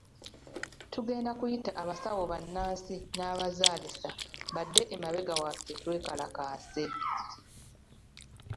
Tugenda kuyita abasawo bannansi n'abazaalisa badde emabega waffe twekalakaase.